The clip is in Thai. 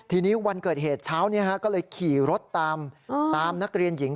ทีนี้วันเกิดเหตุเช้านี้ก็เลยขี่รถตามตามนักเรียนหญิง